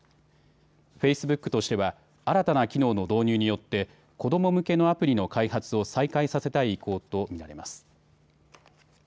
フェイスブックとしては新たな機能の導入によって子ども向けのアプリの開発を再開させたい意向と見られます。